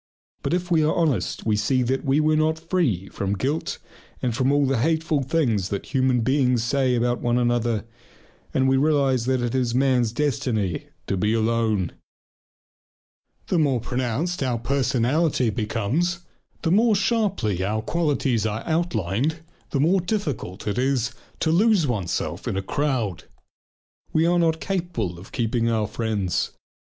But if we are honest we see that we were not free from guilt and from all the hateful things that human beings say about one another, and we realize that it is man's destiny to be alone. The more pronounced our individuality becomes, the more sharply our qualities are outlined, the more difficult is it to lose oneself in a crowd. We are not capable of keeping our friends.